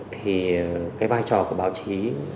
thì cái vai trò của báo chí